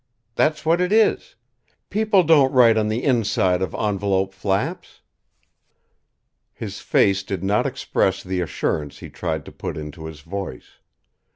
That's what it is. People don't write on the inside of envelope flaps." His face did not express the assurance he tried to put into his voice.